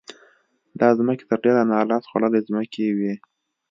دا ځمکې تر ډېره نا لاس خوړلې ځمکې وې.